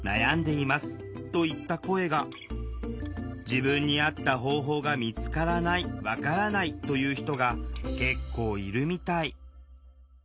自分に合った方法が見つからない分からないという人が結構いるみたい。